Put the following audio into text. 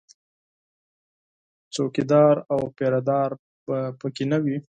څوکیدار او پیره دار به په کې نه وي